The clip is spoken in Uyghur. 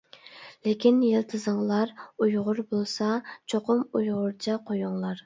لېكىن يىلتىزىڭلار ئۇيغۇر بولسا، چوقۇم ئۇيغۇرچە قويۇڭلار.